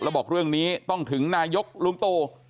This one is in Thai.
แล้วบอกเรื่องนี้ต้องถึงนายกลุงตู่